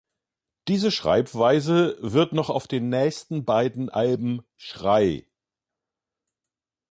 Diese Schreibweise wird noch auf den nächsten beiden Alben, "Schrei!